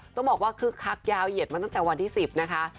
ต้องบอกว่าคึกคักยาวเหยียดมาตั้งแต่วันที่๑๐นะคะ